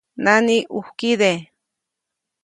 ¡Nani, ʼujkide!